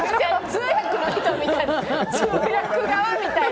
通訳の人みたい。